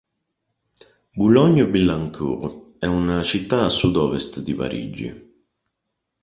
Boulogne-Billancourt è una città a sud-ovest di Parigi.